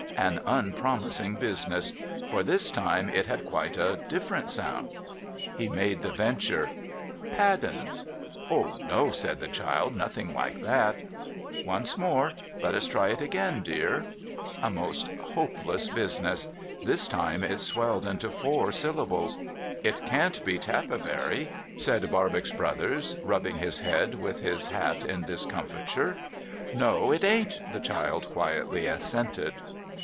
An unpromising business. For this time it had quite a difterent sound. He made the venture, ' Paddens ?'' Oh no !' said the child. ' Nothing like that.' ' Once more. Let us try it again, dear.' A most hopeless business. This time it swelled into four syllables. 'It can't be Ta])pitarver ?' said 15arbox Brothers, rubbing his head with his hat in discomfiture. * No ! It ain't,' the child quietly assented.